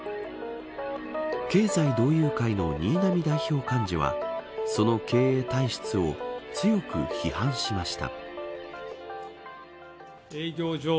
経済同友会の新浪代表幹事はその経営体質を強く批判しました。